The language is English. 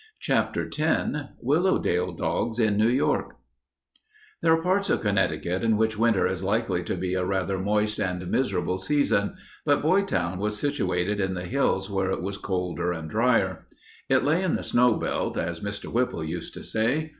CHAPTER X WILLOWDALE DOGS IN NEW YORK There are parts of Connecticut in which winter is likely to be a rather moist and miserable season, but Boytown was situated in the hills where it was colder and dryer. It lay in the snow belt, as Mr. Whipple used to say.